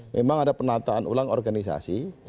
memang ada penataan ulang organisasi